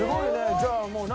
じゃあもう何？